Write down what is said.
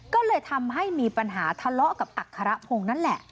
ก็เลยทำให้มีปัญหาทะเลาะกับอัครพงศ์นั่นแหละ